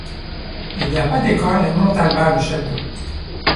Il n'y a pas d'école à Montalba-le-Château.